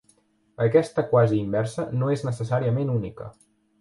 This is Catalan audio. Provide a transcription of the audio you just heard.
Aquesta quasi-inversa no és necessàriament única.